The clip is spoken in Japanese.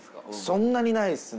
そんなにないっすね。